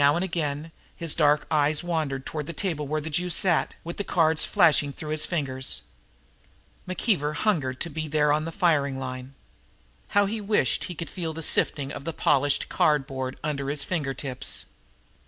Now and again his dark eyes wandered toward the table where the Jew sat, with the cards flashing through his fingers. McKeever hungered to be there on the firing line! How he wished he could feel that sifting of the polished cardboard under his finger tips.